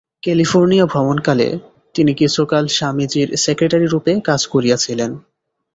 California ভ্রমণকালে তিনি কিছুকাল স্বামীজীর সেক্রেটারী-রূপে কাজ করিয়াছিলেন।